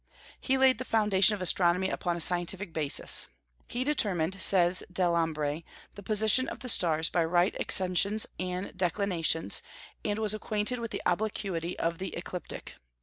He laid the foundation of astronomy upon a scientific basis. "He determined," says Delambre, "the position of the stars by right ascensions and declinations, and was acquainted with the obliquity of the ecliptic.